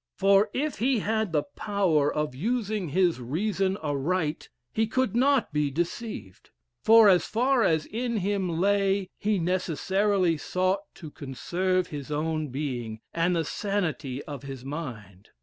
For if he had the power of using his reason aright, he could not be deceived; for as far as in him lay, he necessarily sought to conserve his own being, and the sanity of his mind.